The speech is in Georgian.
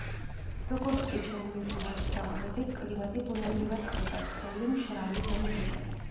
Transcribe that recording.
როგორც კი ჩვენ მივდივართ სამხრეთით, კლიმატი ბუნებრივად ხდება ცხელი, მშრალი და მზიანი.